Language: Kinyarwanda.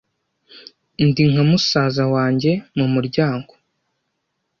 ndi nka musaza wanjye mu muryango